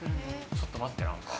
ちょっと待ってなんか。